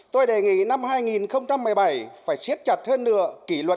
tôi đề nghị năm hai nghìn một mươi bảy phải xiết chặt hơn nữa